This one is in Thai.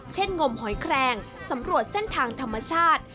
งมหอยแคลงสำรวจเส้นทางธรรมชาติ